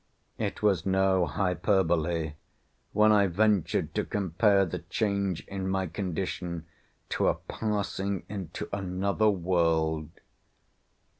It was no hyperbole when I ventured to compare the change in my condition to a passing into another world.